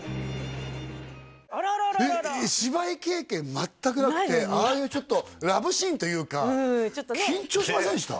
あらららえっ芝居経験全くだってああいうちょっとラブシーンというかうんちょっとね緊張しませんでした？